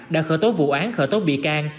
đã khởi tố vụ án khởi tố bị can